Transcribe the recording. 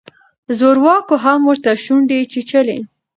زورواکو هم ورته شونډې چیچلې.